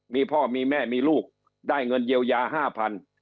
มีพ่อมีแม่มีลูกได้เงินเยียวยา๕๐๐บาท